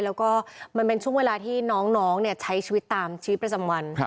แล้วก็มันเป็นช่วงเวลาที่น้องใช้ชีวิตตามชีวิตประจำวัน